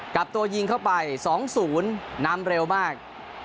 กลับตัวยิงเข้าไป๒๐นำเร็วมาก